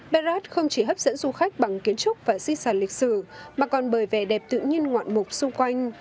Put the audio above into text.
belard không chỉ hấp dẫn du khách bằng kiến trúc và di sản lịch sử mà còn bởi vẻ đẹp tự nhiên ngoạn mục xung quanh